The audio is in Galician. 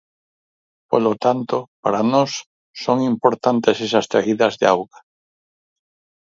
Polo tanto, para nós son importantes esas traídas de auga.